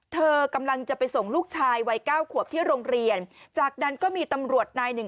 เธอกำลังจะไปส่งลูกชายวัยเก้าขวบที่โรงเรียนจากนั้นก็มีตำรวจนายหนึ่ง